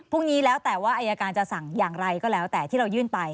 พรุ่งนี้แล้วแต่ว่าอายการจะสั่งอย่างไรก็แล้วแต่ที่เรายื่นไป